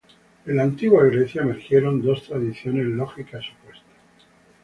En la Antigua Grecia, emergieron dos tradiciones lógicas opuestas.